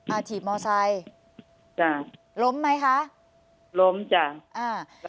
อ่าถีบมอเตอร์ไซล์จ้ะล้มไหมคะล้มจ้ะอ่า